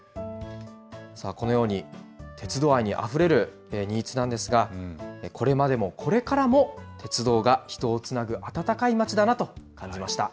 さあ、このように、鉄道愛にあふれる新津なんですが、これまでもこれからも、鉄道が人をつなぐ温かい町だなと感じました。